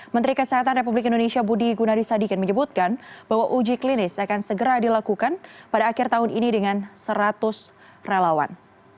menteri kesehatan republik indonesia budi gunadisadikin menyebutkan bahwa uji klinis akan segera dilakukan pada akhir tahun ini dengan seratus relawan